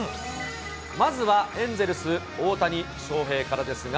まずは、エンゼルス、大谷翔平からですが、